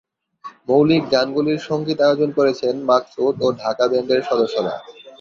মৌলিক গানগুলির সঙ্গীত আয়োজন করেছেন মাকসুদ ও ঢাকা ব্যান্ডের সদস্যরা।